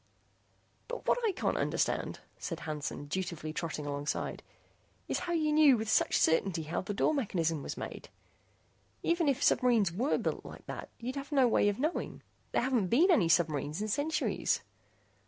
"But what I can't understand," said Hansen, dutifully trotting alongside, "is how you knew with such certainty how the door mechanism was made. Even if submarines were built like that, you'd have no way of knowing. There haven't been any submarines in centuries."